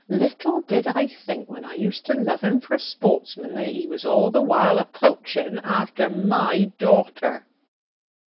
Little did I think when I used to love him for a sportsman that he was all the while a poaching after my daughter."